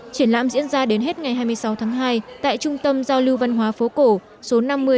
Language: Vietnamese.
triển lãm diễn ra đến hết ngày hai mươi sáu tháng hai tại trung tâm giao lưu văn hóa phố cổ số năm mươi đào duy từ hà nội